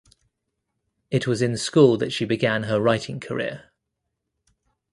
It was in school that she began her writing career.